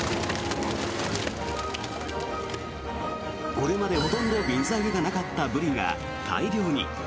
これまでほとんど水揚げがなかったブリが大漁に。